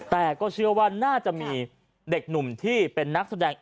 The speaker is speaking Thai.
แต่ก็เชื่อว่าน่าจะมีเด็กหนุ่มที่เป็นนักแสดง